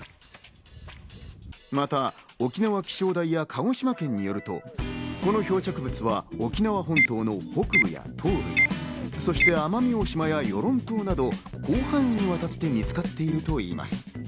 また沖縄気象台や鹿児島県によると、この漂着物は沖縄本島の北部や東部、そして奄美大島や与論島など広範囲にわたって見つかっているといいます。